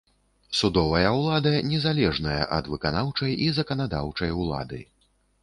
Судовая ўлада незалежная ад выканаўчай і заканадаўчай улады.